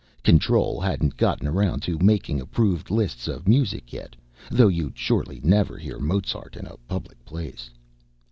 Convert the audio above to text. Control hadn't gotten around to making approved lists of music yet, though you'd surely never hear Mozart in a public place.